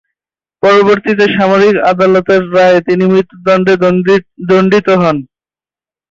পরবর্তীতে সামরিক আদালতের রায়ে তিনি মৃত্যুদণ্ডে দণ্ডিত হন।